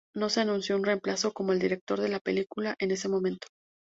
No se anunció un reemplazo como el director de la película en ese momento.